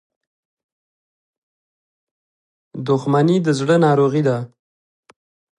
• دښمني د زړه ناروغي ده.